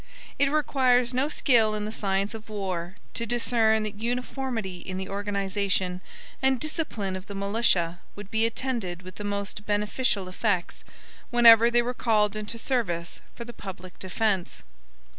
It requires no skill in the science of war to discern that uniformity in the organization and discipline of the militia would be attended with the most beneficial effects, whenever they were called into service for the public defense.